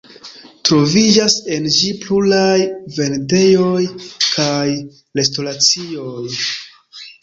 Troviĝas en ĝi pluraj vendejoj kaj restoracioj.